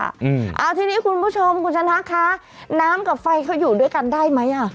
เอาทีนี้คุณผู้ชมคุณชนะคะน้ำกับไฟเขาอยู่ด้วยกันได้ไหมอ่ะ